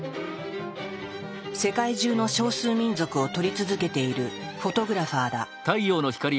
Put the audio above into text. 世界中の少数民族を撮り続けているフォトグラファーだ。